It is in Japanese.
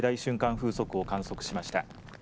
風速を観測しました。